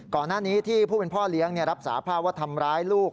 ก่อนหน้านี้ที่ผู้เป็นพ่อเลี้ยงรับสาภาพว่าทำร้ายลูก